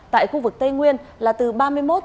tại khu vực tây nguyên là từ ba mươi một ba mươi bốn độ c